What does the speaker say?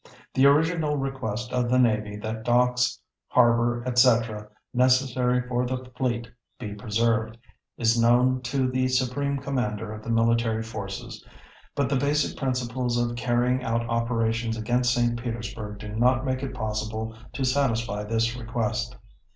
The original request of the Navy that docks, harbor, etc. necessary for the fleet be preserved—is known to the Supreme Commander of the Military Forces, but the basic principles of carrying out operations against St. Petersburg do not make it possible to satisfy this request.